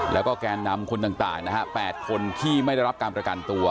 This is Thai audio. แล้วก็แกนนำคนต่างนะฮะ๘คนที่ไม่ได้รับการประกันตัว